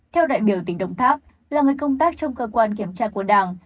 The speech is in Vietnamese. theo đại biểu tỉnh đồng tháp là người công tác trong cơ quan kiểm tra của đảng